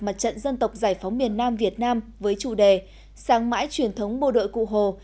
mặt trận dân tộc giải phóng miền nam việt nam với chủ đề sáng mãi truyền thống bộ đội cụ hồ